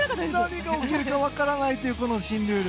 何が起きるか分からないという新ルール。